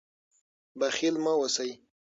بخیل مه اوسئ.